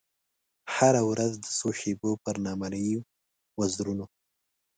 هره ورځ د څو شېبو پر نامریي وزرونو